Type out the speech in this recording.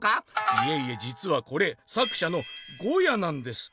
「いえいえじつはこれ作者のゴヤなんです。